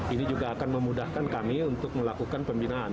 ini juga akan memudahkan kami untuk melakukan pembinaan